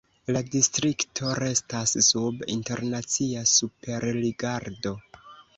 La distrikto restas sub internacia superrigardo.